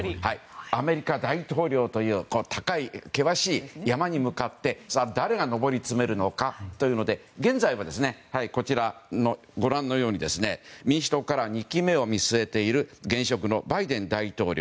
アメリカ大統領という高い険しい山に向かってさあ、誰が上り詰めるのかというので現在は、ご覧のように民主党から２期目を見据えている現職のバイデン大統領。